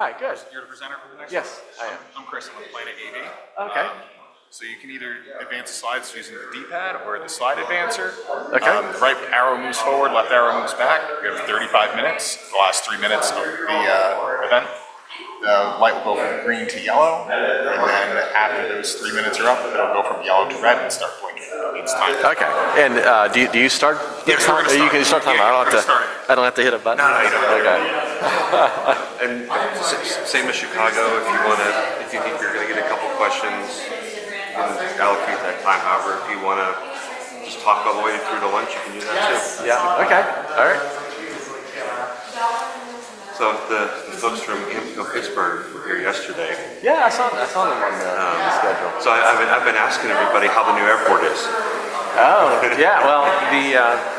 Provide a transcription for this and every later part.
Hi. Good. You're the presenter for the next. Yes I'm Chris. I'm with Planet AV. Okay. You can either advance the slides using the D pad or the slide advancer. Okay. Right arrow moves forward, left arrow moves back. You have 35 minutes. The last three minutes of the event. The light will go from green to. Yellow, and then after those three minutes are up, it'll go from yellow to red and start blinking. Okay. Do you start. You can start time. I don't have to. I don't have to hit a button. Same as Chicago. If you want to. If you think you're going to get. A couple questions, allocate that time. However, if you want to just talk all the way through to lunch, you. Can do that, too. Yeah. Okay. All right. The folks from HIMCO Pittsburgh were here yesterday. Yeah, I saw. I saw them on the schedule. I've been asking everybody how the new airport is. Oh, yeah.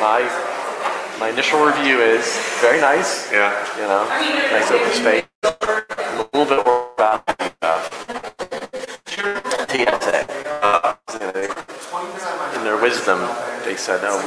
My initial review is very nice. Yeah, you know, nice open space. A little bit more about TSA. In their wisdom, they said no.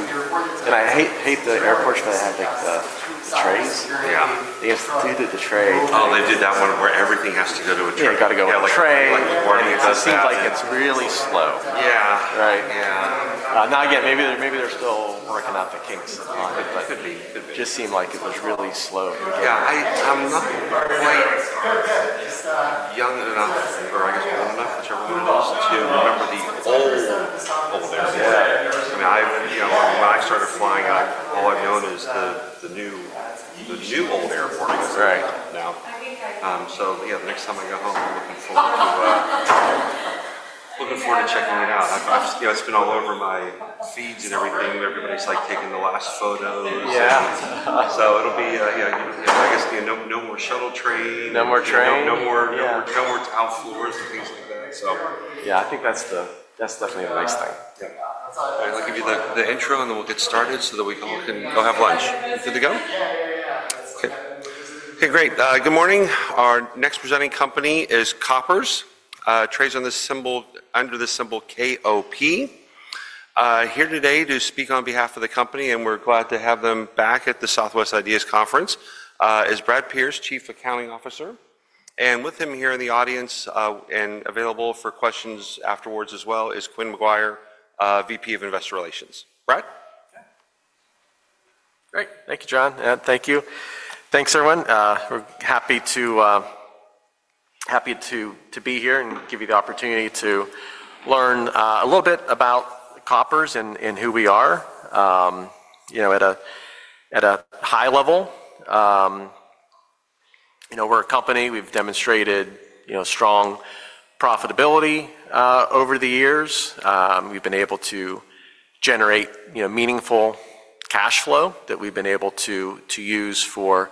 And I hate, hate the airports that have, like, the trays. Yeah, they instituted the tray. Oh, they did that one where everything has to go to a tray. They got to go tray. It seems like it's really slow. Yeah. Right. Yeah. Now again, maybe. Maybe they're still working out the kinks. Could be. Just seemed like it was really slow. Yeah, I. I'm not quite enough, or I guess whichever one it is, to remember the old old airport. I mean, I, you know, when I started flying, all I've known is the. The new. The new old airport right now. Yeah, the next time I go home, I'm looking forward to. Looking forward to checking it out. You know, it's been all over my feeds and everything. Everybody's, like, taking the last photos. Yeah. It'll be. Yeah, I guess no more shuttle train, no more train. No more. No more. No more tile floors and things like that. Yeah, I think that's definitely a nice thing. Yeah. I'll give you the intro and then we'll get started so that we can go have lunch. Good to go. Okay, great. Good morning. Our next presenting company is Koppers, trades under the symbol KOP. Here today to speak on behalf of the company, and we're glad to have them back at the Southwest IDEAS Conference, is Brad Pearce, Chief Accounting Officer. With him here in the audience, and available for questions afterwards as well, is Quynh McGuire, VP of Investor Relations. Great. Thank you, John. Thank you. Thanks everyone. We're happy to be here and give you the opportunity to learn a little bit about Koppers and who we are, you know, at a, at a high level. You know, we're a company, we've demonstrated, you know, strong profitability over the years. We've been able to generate, you know, meaningful cash flow that we've been able to use for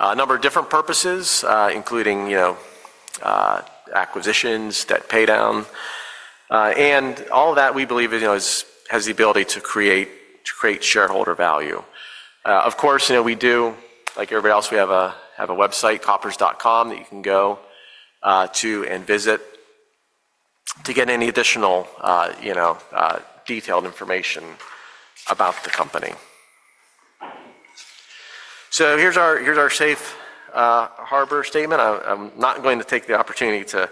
a number of different purposes including, you know, acquisitions, debt pay down and all that we believe is, has the ability to create shareholder value. Of course we do. Like everybody else, we have a website, koppers.com that you can go to and visit to get any additional detailed information about the company. Here's our safe harbor statement. I'm not going to take the opportunity to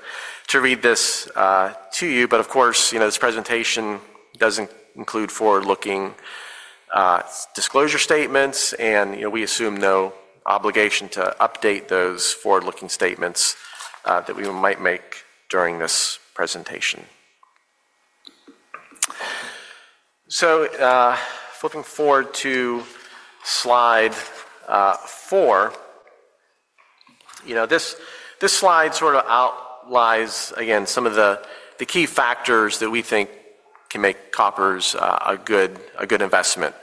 read this to you, but of course this presentation does include forward looking disclosure statements and we assume no obligation to update those forward looking statements that we might make during this presentation. Flipping forward to slide four, you know, this slide sort of outlines again, some of the key factors that we think can make Koppers a good investment.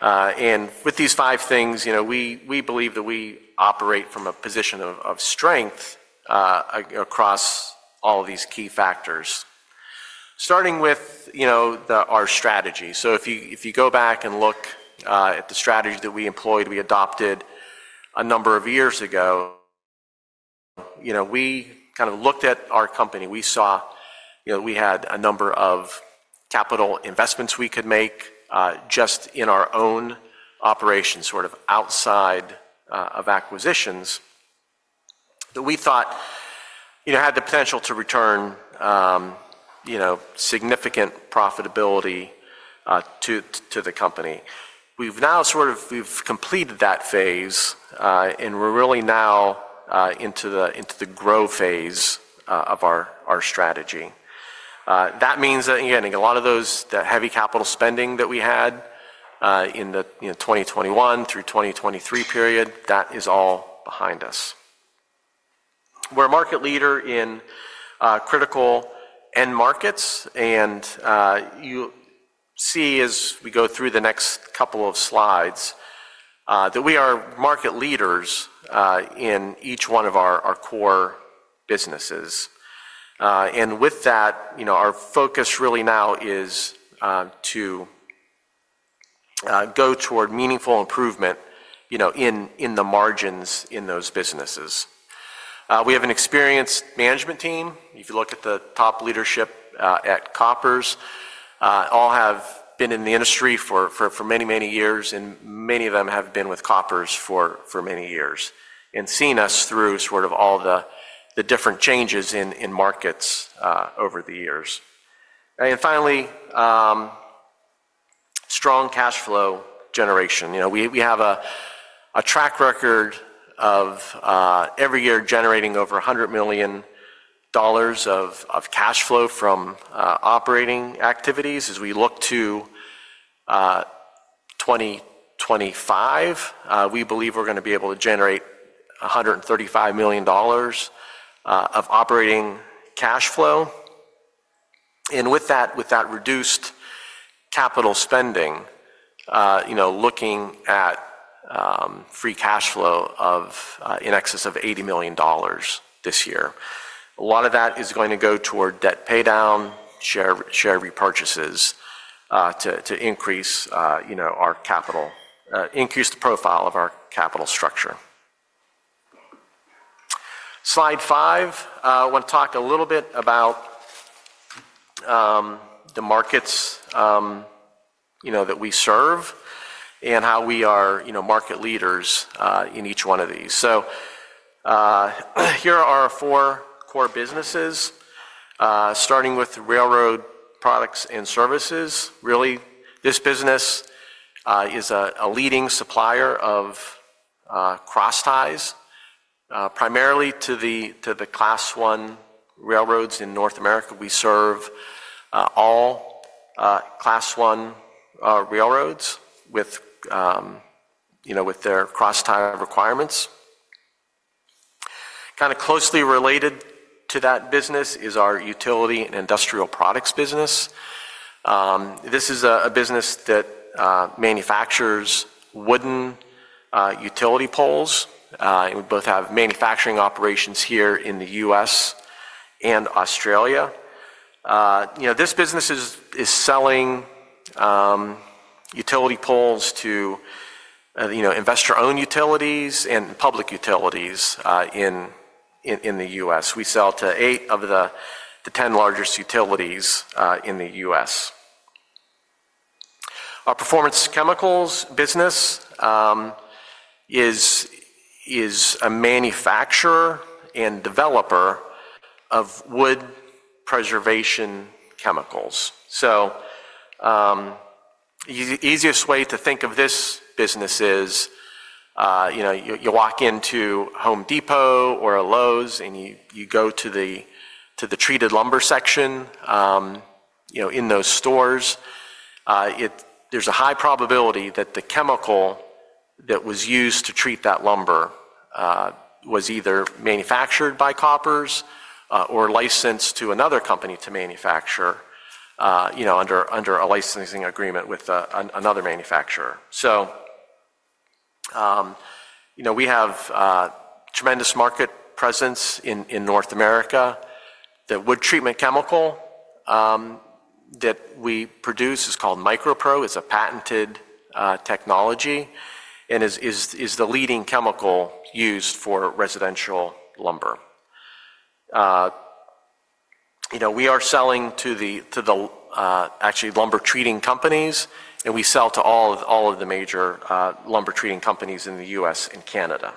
With these five things, you know, we believe that we operate from a position of strength across all these key factors, starting with, you know, our strategy. If you go back and look at the strategy that we employed, we adopted a number of years ago, you know, we kind of looked at our company, we saw, you know, we had a number of capital investments we could make just in our own operations, sort of outside of acquisitions that we thought, you know, had the potential to return, you know, significant profitability to the company. We've now sort of, we've completed that phase and we're really now into the grow phase of our strategy. That means that again, a lot of those heavy capital spending that we had in the 2021-2023 period, that is all behind us. We're a market leader in critical end markets. And you see as we go through the next couple of slides that we are market leaders in each one of our core businesses. With that, you know, our focus really now is to go toward meaningful improvement, you know, in the margins in those businesses. We have an experienced management team. If you look at the top leadership at Koppers, all have been in the industry for many, many years and many of them have been with Koppers for many years and seen us through sort of all the different changes in markets over the years and finally, strong cash flow generation. You know, we have a track record of every year generating over $100 million of cash flow from operating activities. As we look to 2025, we believe we're going to be able to generate $135 million of operating cash flow. With that reduced capital spending, you know, looking at free cash flow of in excess of $80 million this year, a lot of that is going to go toward debt pay down, share repurchases to increase our capital, increase the profile of our capital structure. Slide five. I want to talk a little bit about the markets that we serve and how we are market leaders in each one of these. Here are four core businesses, starting with railroad products and services. Really, this business is a leading supplier of cross ties primarily to the Class I railroads in North America. We serve all Class I railroads with, you know, with their cross tie requirements. Kind of closely related to that business is our utility and industrial products business. This is a business that manufactures wooden utility poles. We both have manufacturing operations here in the U.S. and Australia. You know, this business is selling utility poles to, you know, investor owned utilities and public utilities in the U.S. We sell to eight of the ten largest utilities in the U.S. Our Performance Chemicals business is a manufacturer and developer of wood preservation chemicals. Easiest way to think of this business is you walk into Home Depot or a Lowe's and you go to the treated lumber section in those stores. There's a high probability that the chemical that was used to treat that lumber was either manufactured by Koppers or licensed to another company to manufacture, you know, under a licensing agreement with another manufacturer. You know, we have tremendous market presence in North America. The wood treatment chemical that we produce is called MicroPro. It's a patented technology and is the leading chemical used for residential lumber. You know, we are selling to the actually lumber treating companies and we sell to all of the major lumber treating companies in the U.S. and Canada.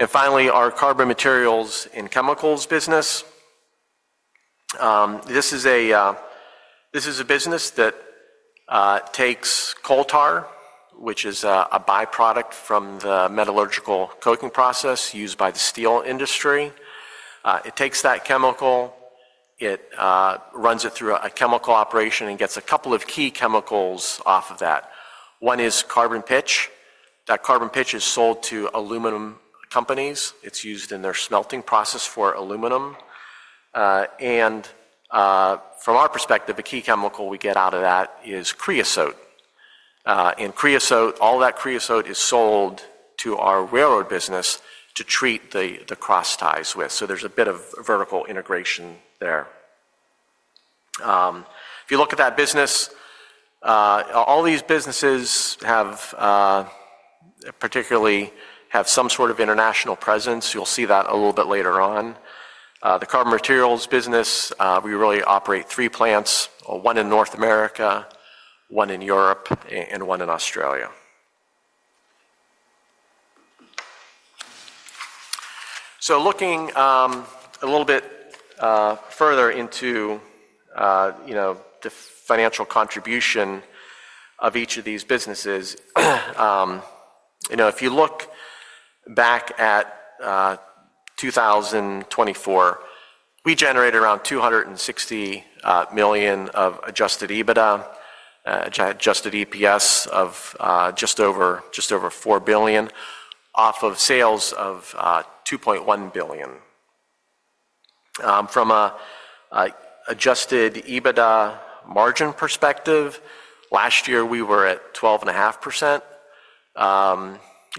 Finally, our carbon materials and chemicals business, this is a business that takes coal tar, which is a byproduct from the metallurgical coking process used by the steel industry. It takes that chemical, it runs it through a chemical operation and gets a couple of key chemicals off of that. One is carbon pitch. That carbon pitch is sold to aluminum companies. It's used in their smelting process for aluminum. From our perspective, a key chemical we get out of that is creosote. Creosote, all that creosote is sold to our railroad business to treat the cross ties with. There is a bit of vertical integration there. If you look at that business, all these businesses have particularly have some sort of international presence. You'll see that a little bit later on. The carbon materials business, we really operate three plants, one in North America, one in Europe and one in Australia. Looking a little bit further into, you know, the financial contribution of each of these businesses, you know, if you look back at 2024, we generated around $260 million of adjusted EBITDA, adjusted EPS of just over, just over $4 off of sales of $2.1 billion. From an adjusted EBITDA margin perspective, last year we were at 12.5%.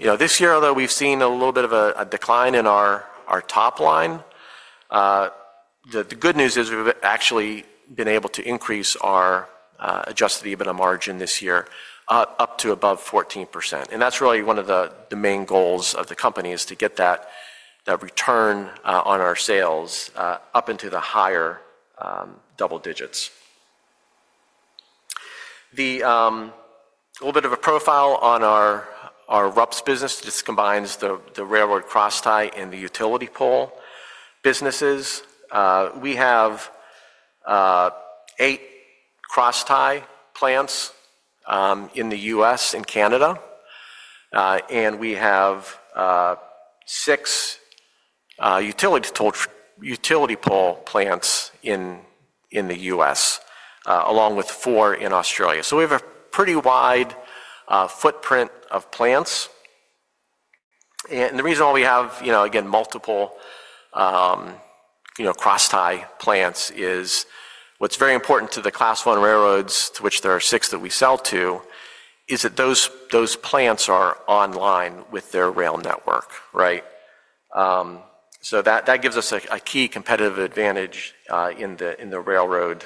You know, this year, although we've seen a little bit of a decline in our top line, the good news is we've actually been able to increase our adjusted EBITDA margin this year up to above 14%. That is really one of the main goals of the company, to get that return on our sales up into the higher double digits. A little bit of a profile on our RUPS business. This combines the railroad cross tie and the utility pole businesses. We have eight cross tie plants in the U.S. and Canada, and we have six utility pole plants in the U.S. along with four in Australia. We have a pretty wide footprint of plants. The reason why we have, again, multiple cross tie plants is what is very important to the Class 1 railroads, to which there are six that we sell to, is that those plants are online with their rail network. That gives us a key competitive advantage in the railroad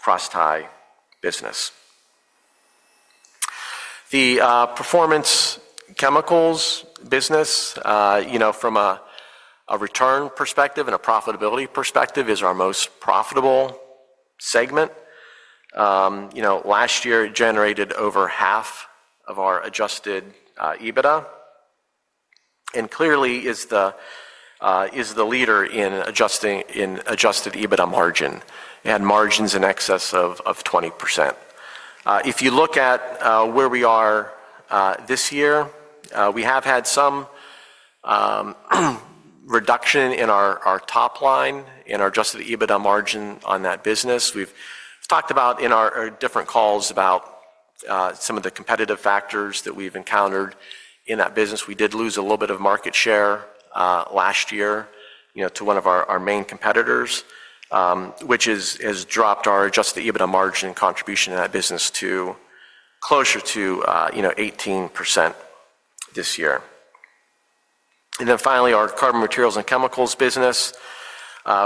cross tie business. The performance chemicals business, you know, from a return perspective and a profitability perspective is our most profitable segment. You know, last year it generated over half of our adjusted EBITDA and clearly is the, is the leader in adjusted EBITDA margin, had margins in excess of 20%. If you look at where we are this year, we have had some reduction in our top line in our adjusted EBITDA margin on that business. We've talked about in our different calls about some of the competitive factors that we've encountered in that business. We did lose a little bit of market share last year, you know, to one of our main competitors, which has dropped our adjusted EBITDA margin contribution in that business to closer to, you know, 18% this year. Finally, our carbon materials and chemicals business,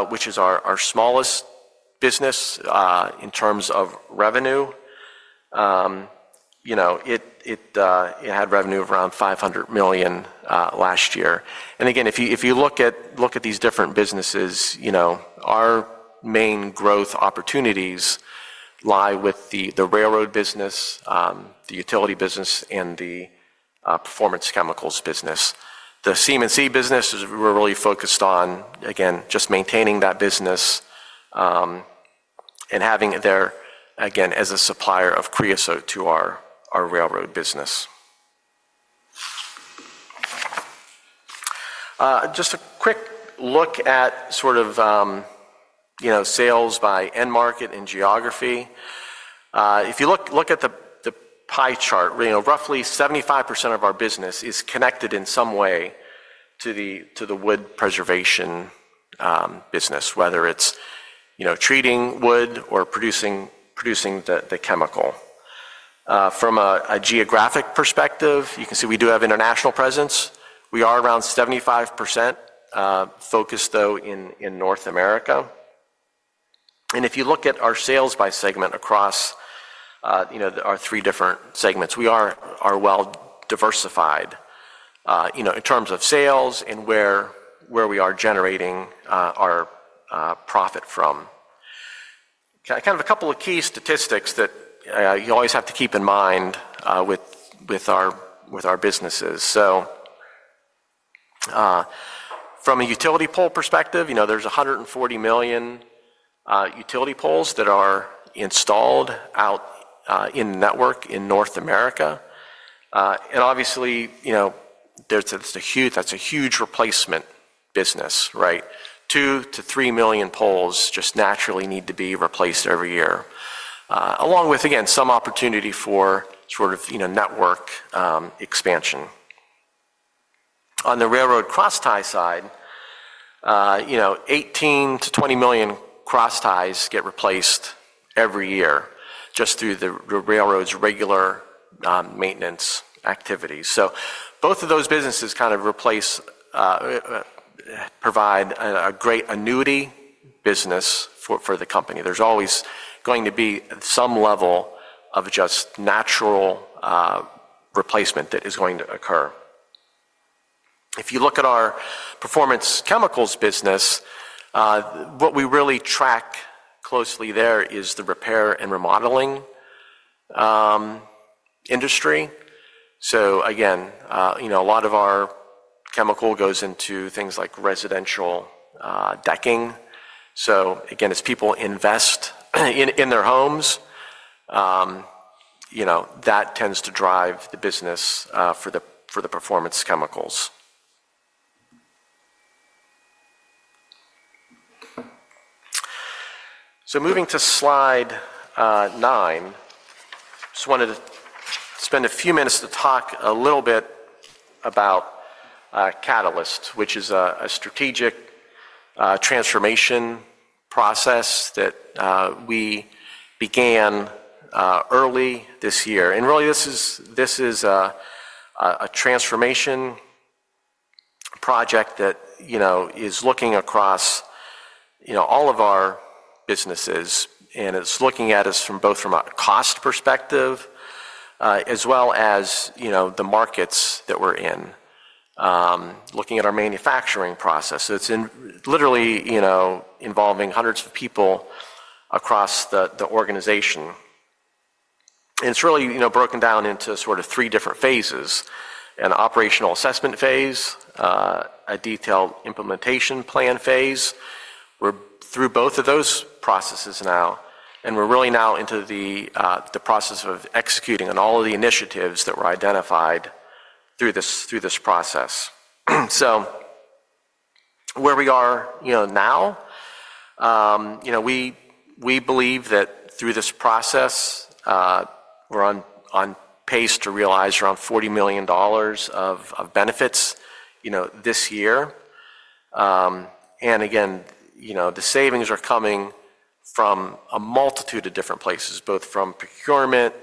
which is our smallest business in terms of revenue, had revenue of around $500 million last year. If you look at these different businesses, our main growth opportunities lie with the railroad business, the utility business, and the performance chemicals business. The CM&C business, we are really focused on just maintaining that business and having it there as a supplier of creosote to our railroad business. A quick look at sales by end market and geography: if you look at the pie chart, roughly 75% of our business is connected in some way to the wood preservation business, whether it is treating wood or producing the chemical. From a geographic perspective, you can see we do have international presence. We are around 75% focused though in North America. If you look at our sales by segment across our three different segments, we are well diversified in terms of sales and where we are generating our profit from, kind of a couple of key statistics that you always have to keep in mind with our businesses. From a utility pole perspective, you know, there are 140 million utility poles that are installed out in the network in North America. Obviously, you know, that is a huge replacement business. Right? 2 million-3 million poles just naturally need to be replaced every year along with, again, some opportunity for sort of, you know, network expansion. On the railroad cross tie side, you know, 18 million-20 million cross ties get replaced every year just through the railroad's regular maintenance activities. Both of those businesses kind of replace, provide a great annuity business for the company. There's always going to be some level of just natural replacement that is going to occur. If you look at our Performance Chemicals business, what we really track closely there is the repair and remodeling industry. Again, you know, a lot of our chemical goes into things like residential decking. Again, as people invest in their homes, you know, that tends to drive the business for the Performance Chemicals. Moving to slide nine, just wanted to spend a few minutes to talk a little bit about Catalyst, which is a strategic transformation process that we began early this year. This is a transformation project that is looking across all of our businesses and it's looking at us from both from a cost perspective as well as the markets that we're in. Looking at our manufacturing process, it's literally involving hundreds of people across the organization. It's really broken down into three different phases. An operational assessment phase, a detailed implementation plan phase. We're through both of those processes now and we're really now into the process of executing on all of the initiatives that were identified through this process. Where we are now, we believe that through this process we're on pace to realize around $40 million of benefits, you know, this year. Again, you know, the savings are coming from a multitude of different places. Both from procurement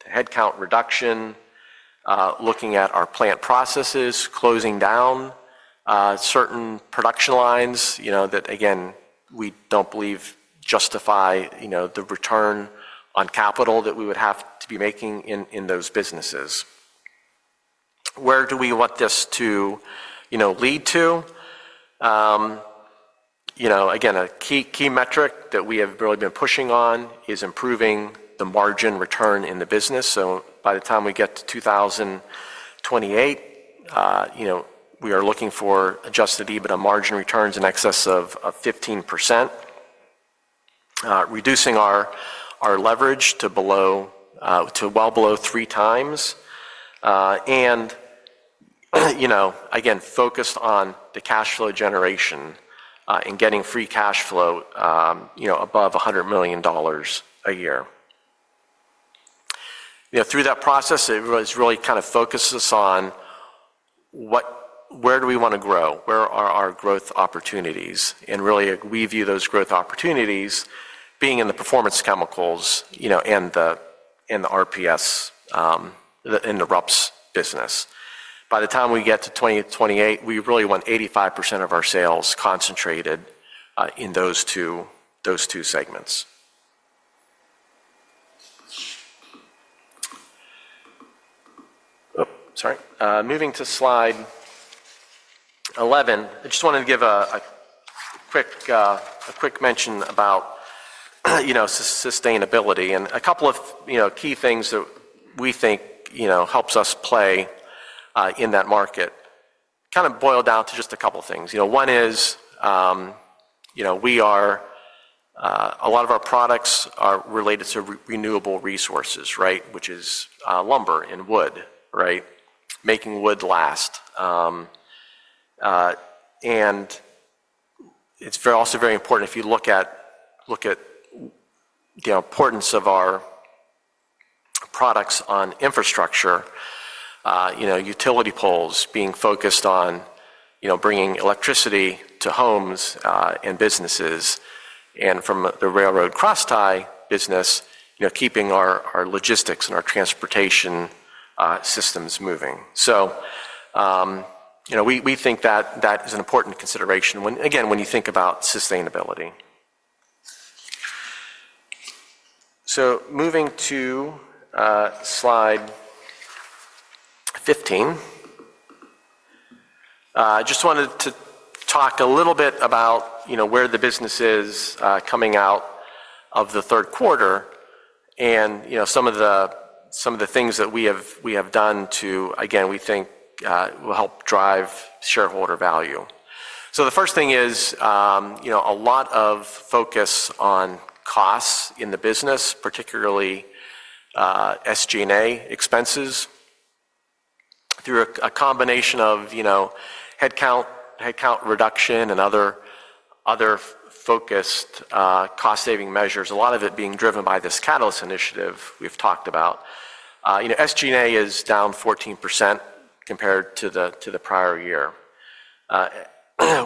to headcount reduction, looking at our plant processes, closing down certain production lines, you know, that again, we don't believe justify, you know, the return on capital that we would have to be making in those businesses. Where do we want this to lead to? Again, a key metric that we have really been pushing on is improving the margin return in the business. By the time we get to 2028, we are looking for adjusted EBITDA margin returns in excess of 15%, reducing our leverage to well below 3x. You know, again focused on the cash flow generation and getting free cash flow, you know, above $100 million a year. You know, through that process it was really kind of focused us on what, where do we want to grow, where are our growth opportunities? We view those growth opportunities being in the performance chemicals and the RPS and the RUPs business. By the time we get to 2028, we really want 85% of our sales concentrated in those two segments. Sorry, moving to slide 11. I just wanted to give a quick mention about sustainability and a couple of key things that we think helps us play in that market kind of boil down to just a couple things. One is, a lot of our products are related to renewable resources, which is lumber and wood, making wood last. It's also very important if you look at the importance of our products on infrastructure, utility poles being focused on bringing electricity to homes and businesses and from the railroad cross tie business, keeping our logistics and our transportation systems moving. You know, we think that that is an important consideration when again when you think about sustainability. Moving to slide 15. I just wanted to talk a little bit about, you know, where the business is coming out of the third quarter and some of the things that we have done to again we think will help drive shareholder value. The first thing is a lot of focus on costs in the business, particularly SG&A expenses through a combination of headcount reduction and other focused cost saving measures. A lot of it being driven by this Catalyst initiative we've talked about. You know, SGA is down 14% compared to the, to the prior year.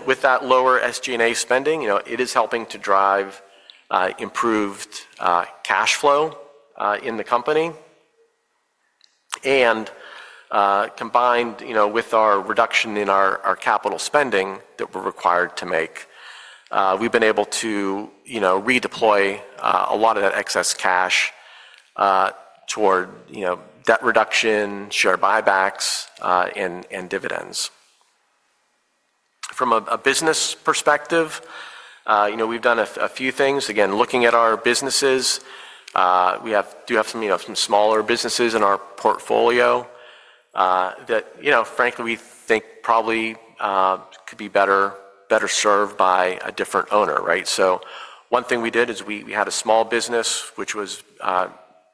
With that lower SGA spending, you know, it is helping to drive improved cash flow in the company. Combined, you know, with our reduction in our capital spending that we're required to make, we've been able to redeploy a lot of that excess cash toward debt reduction, share buybacks and dividends. From a business perspective, we've done a few things again looking at our businesses. We do have some smaller businesses in our portfolio that frankly we think probably could be better served by a different owner. One thing we did is we had a small business which was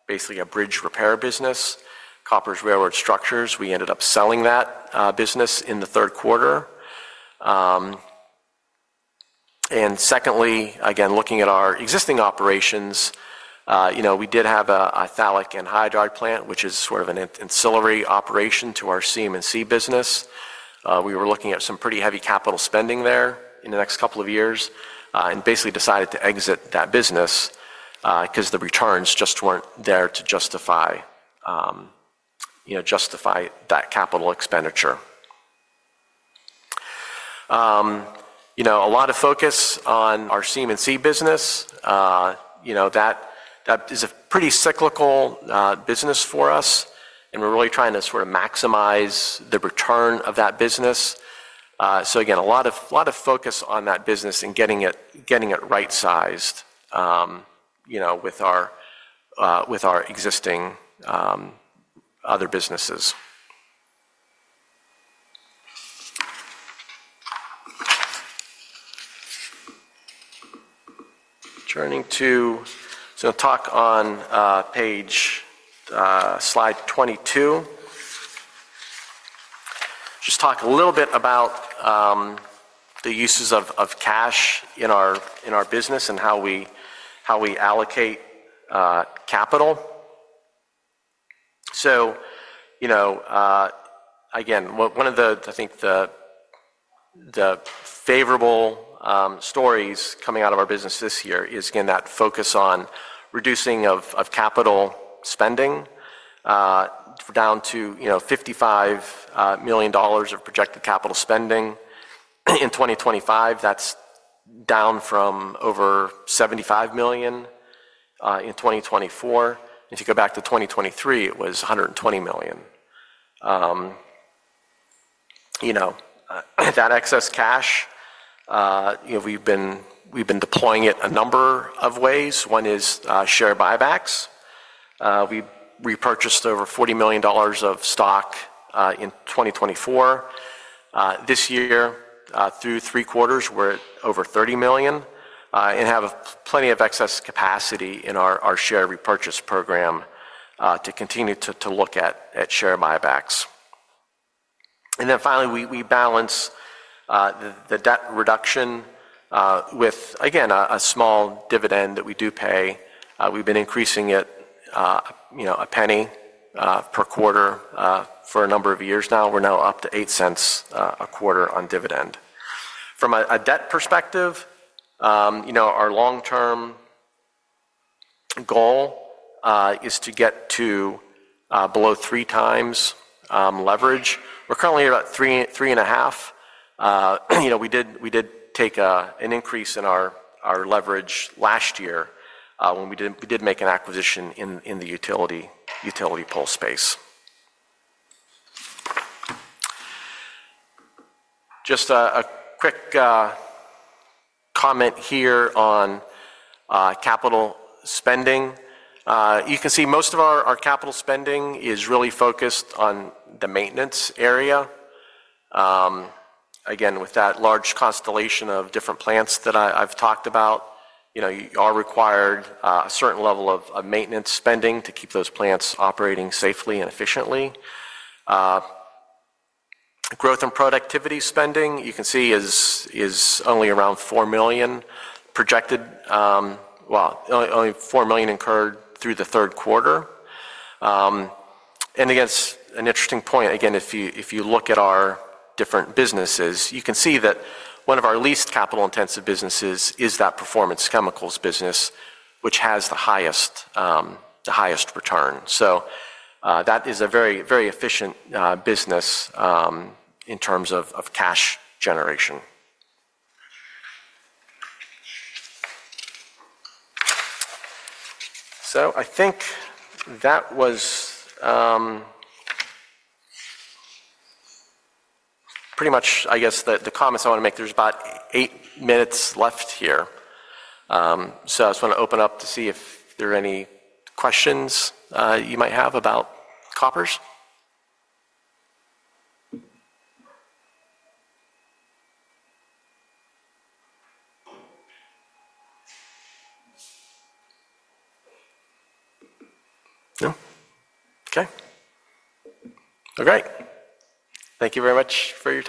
basically a bridge repair business, Koppers Railroad structures. We ended up selling that business in the third quarter. Secondly, again looking at our existing operations, we did have a phthalic anhydride plant which is sort of an ancillary operation to our CM&C. We were looking at some pretty heavy capital spending there in the next couple of years and basically decided to exit that business because the returns just were not there to justify that capital expenditure. A lot of focus on our CM&C business. That is a pretty cyclical business for us and we are really trying to sort of maximize the return of that business. Again, a lot of focus on that business and getting it right sized with our existing other businesses. Turning to talk on slide 22. Just talk a little bit about the uses of cash in our business and how we allocate capital. You know, again, one of the, I think the favorable stories coming out of our business this year is again that focus on reducing capital spending down to $55 million of projected capital spending in 2025. That is down from over $75 million in 2024. If you go back to 2023, it was $120 million. You know, that excess cash, we have been deploying it a number of ways. One is share buybacks. We repurchased over $40 million of stock in 2024. This year through three quarters we are at over $30 million and have plenty of excess capacity in our share repurchase program to continue to look at share buybacks. Finally, we balance the debt reduction with again a small dividend that we do pay. We have been increasing it a penny per quarter for a number of years now. We're now up to $0.08 a quarter on dividend. From a debt perspective, our long term goal is to get to below 3x leverage. We're currently about 3.5x. You know, we did take an increase in our leverage last year when we did make an acquisition in the utility pole space. Just a quick comment here on capital spending. You can see most of our capital spending is really focused on the maintenance area. Again with that large constellation of different plants that I've talked about. You know, you are required a certain level of maintenance spending to keep those plants operating safely and efficiently. Growth and productivity spending, you can see, is only around $4 million projected. Only $4 million incurred through the third quarter. You know, an interesting point. Again, if you look at our different businesses, you can see that one of our least capital intensive businesses is that Performance Chemicals business, which has the highest return. That is a very, very efficient business in terms of cash generation. I think that was pretty much, I guess, the comments I want to make. There are about eight minutes left here, so I just want to open up to see if there are any questions you might have about Koppers. No? Okay. All right. Thank you very much for your time.